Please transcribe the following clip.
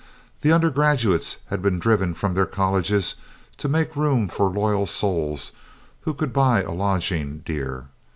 The undergrad —^ uates had been driven from their colleges to make room for loyal souls who could buy a lodging dear.